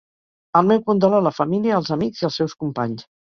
El meu condol a la família, als amics i als seus companys.